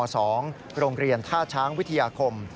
โรงเรียนท่าช้างวิทยาคม